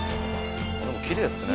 でもきれいっすね。